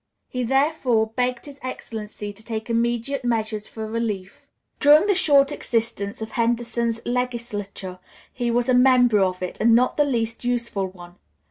He therefore begged his Excellency to take immediate measures for relief. During the short existence of Henderson's legislature he was a member of it, and not the least useful one.